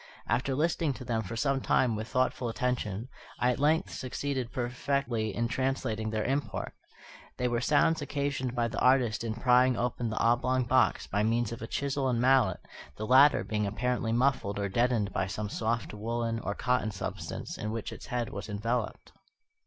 After listening to them for some time with thoughtful attention, I at length succeeded perfectly in translating their import. They were sounds occasioned by the artist in prying open the oblong box by means of a chisel and mallet, the latter being apparently muffled or deadened by some soft woollen or cotton substance in which its head was enveloped.